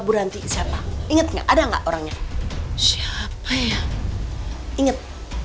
buranti siapa ingetnya ada enggak orangnya siapa ya inget